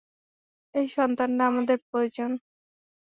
এই সন্তানটা আমাদের প্রয়োজন!